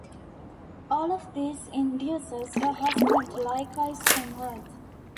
All of this induces her husband to likewise convert.